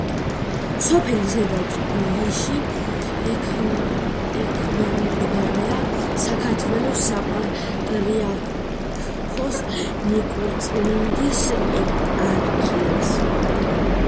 სოფელი ზედა ჭყვიში ექვემდებარება საქართველოს საპატრიარქოს ნიკორწმინდის ეპარქიას.